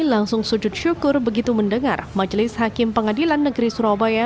langsung sujud syukur begitu mendengar majelis hakim pengadilan negeri surabaya